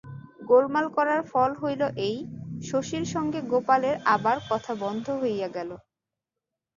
গোলমাল করার ফল হইল এই, শশীর সঙ্গে গোপালের আবার কথা বন্ধ হইয়া গেল।